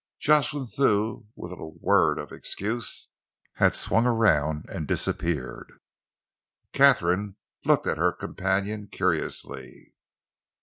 Jocelyn Thew, with a little word of excuse, had swung around and disappeared. Katharine looked at her companion curiously.